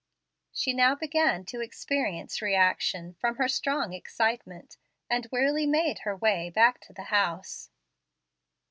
She now began to experience reaction from her strong excitement, and wearily made her way back to the house.